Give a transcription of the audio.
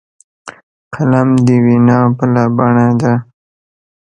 قلم د وینا بله بڼه ده